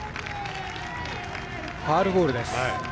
ファウルボールです。